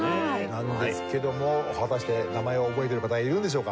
なんですけども果たして名前を覚えてる方はいるんでしょうか？